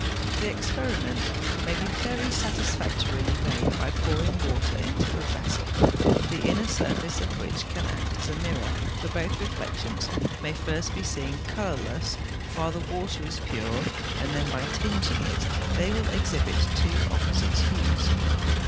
The experiment may be very satisfactorily made by pouring water into a vessel, the inner surface of which can act as a mirror; for both reflections may first be seen colourless while the water is pure, and then by tinging it, they will exhibit two opposite hues.